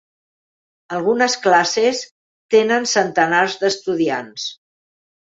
Algunes classes tenen centenars d'estudiants.